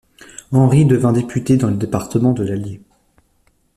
Henri devint député dans le département de l’Allier.